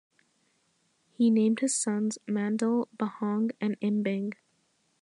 He named his sons Mandal, Bahong, and Imbing.